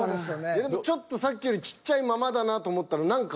でもちょっとさっきよりちっちゃいままだなと思ったら何か。